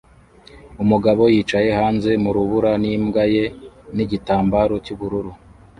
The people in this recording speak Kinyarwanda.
Umugabo yicaye hanze mu rubura n'imbwa ye n'igitambaro cy'ubururu